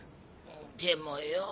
でもよ。